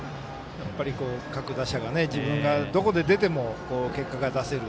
各打者が自分がどこで出ても結果が出せる。